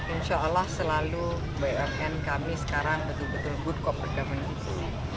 insya allah selalu bumn kami sekarang betul betul good corporate governance